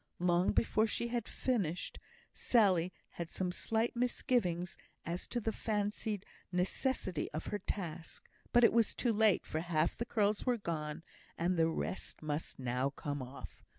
Long before she had finished, Sally had some slight misgivings as to the fancied necessity of her task; but it was too late, for half the curls were gone, and the rest must now come off.